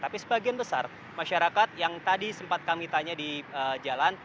tapi sebagian besar masyarakat yang tadi sempat kami tanya di jalan